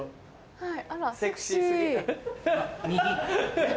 はい。